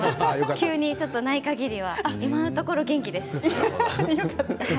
急なことがないかぎりは今のところは元気です。